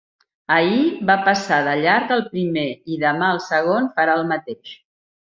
Ahir va passar de llarg el primer i demà el segon farà el mateix.